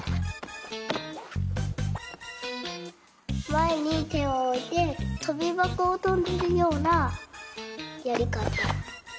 まえにてをおいてとびばこをとんでるようなやりかた。